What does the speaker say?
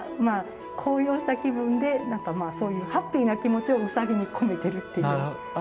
まあ高揚した気分でそういうハッピーな気持ちをウサギに込めてるっていう。